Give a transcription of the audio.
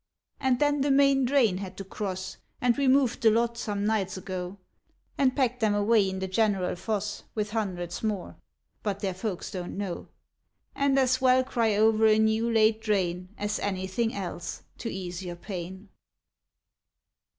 "And then the main drain had to cross, And we moved the lot some nights ago, And packed them away in the general foss With hundreds more. But their folks don't know, And as well cry over a new laid drain As anything else, to ease your pain!"